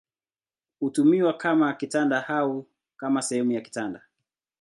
Hutumiwa kama kitanda au kama sehemu ya kitanda.